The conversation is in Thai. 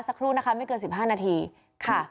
สักครู่นะคะไม่เกิน๑๕นาทีค่ะ